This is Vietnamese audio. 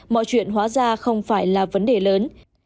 mọi chuyện hóa ra không phải là vấn đề lớn